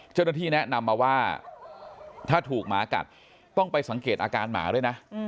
เจ้าหน้าที่แนะนำมาว่าถ้าถูกหมากัดต้องไปสังเกตอาการหมาด้วยนะ